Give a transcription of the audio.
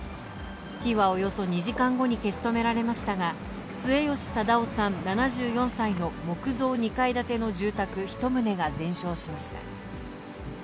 火はおよそ２時間後に消し止められましたが、末吉貞男さん７４歳の木造２階建ての住宅１棟が全焼しました。